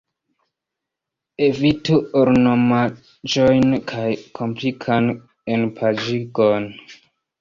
Evitu ornamaĵojn kaj komplikan enpaĝigon.